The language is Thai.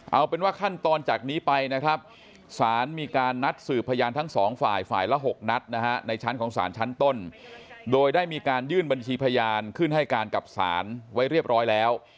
เอาเป็นว่าขั้นตอนจากนี้ไปนะครับสารมีการนัดสืบพยานทั้งสองฝ่ายฝ่ายละ๖นัดนะฮะในชั้นของสารชั้นต้นโดยได้มีการยื่นบัญชีพยานขึ้นให้การกับศาลไว้เรียบร้อยแล้ว